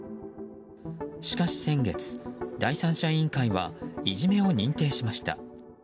しかし先月、第三者委員会はいじめを認定しました。